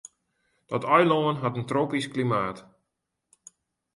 Dat eilân hat in tropysk klimaat.